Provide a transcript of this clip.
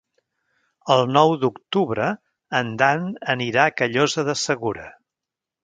El nou d'octubre en Dan anirà a Callosa de Segura.